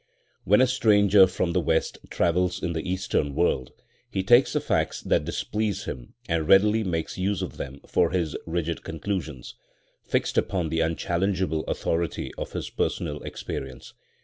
When a stranger from the West travels in the Eastern world he takes the facts that displease him and readily makes use of them for his rigid conclusions, fixed upon the unchallengeable authority of his personal experience.